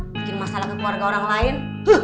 bikin masalah ke keluarga orang lain